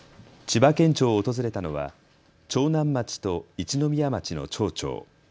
千葉県庁を訪れたのは長南町と一宮町の町長。